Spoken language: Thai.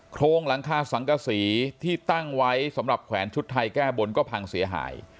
โครงหลังคาสังกษีที่ตั้งไว้สำหรับแขวนชุดไทยแก้บนก็พังเสียหาย